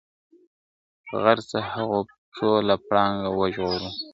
غرڅه هغو پښو له پړانګه وو ژغورلی !.